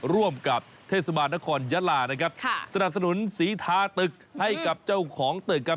ร่วมกับเทศบาลนครยะลานะครับค่ะสนับสนุนสีทาตึกให้กับเจ้าของตึกครับ